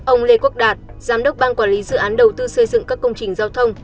ông lê quốc đạt giám đốc ban quản lý dự án đầu tư xây dựng các công trình giao thông